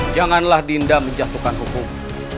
janganlah dinda menjatuhkan hukum